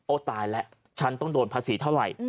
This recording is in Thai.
ตายแล้วฉันต้องโดนภาษีเท่าไหร่